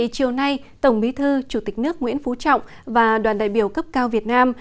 chiều nay tổng bí thư chủ tịch nước nguyễn phú trọng và đoàn đại biểu cấp cao việt nam